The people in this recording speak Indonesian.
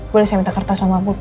boleh saya minta kertas sama bu